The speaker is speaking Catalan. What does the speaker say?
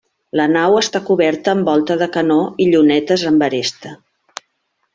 La nau està coberta amb volta de canó i llunetes amb aresta.